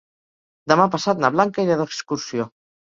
Demà passat na Blanca irà d'excursió.